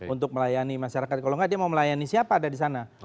untuk melayani masyarakat kalau enggak dia mau melayani siapa ada di sana